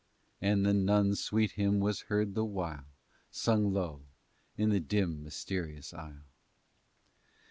And the nuns' sweet hymn was heard the while, Sung low, in the dim, mysterious aisle.